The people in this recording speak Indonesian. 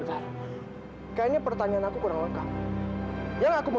tapi gue nggak nyangka deh